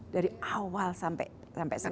dari awal sampai sekarang